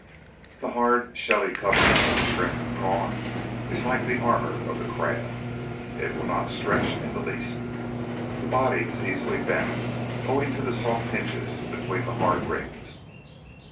The hard, shelly covering of the Shrimp and Prawn is like the armour of the crab it will not stretch in the least. The body is easily bent, owing to the soft hinges between the hard rings.